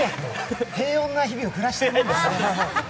平穏な日々を暮らしてるんです。